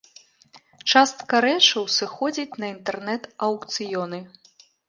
Частка рэчаў сыходзіць на інтэрнэт-аўкцыёны.